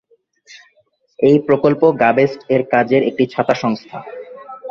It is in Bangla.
এই প্রকল্প গাবেস্ট এর কাজের একটি ছাতা সংস্থা।